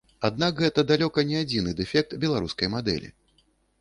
Аднак гэта далёка не адзіны дэфект беларускай мадэлі.